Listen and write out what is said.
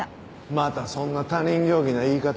またそんな他人行儀な言い方。